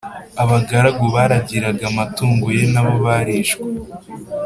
Abagaragu baragiraga amatungo ye na bo barishwe